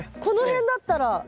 この辺だったら。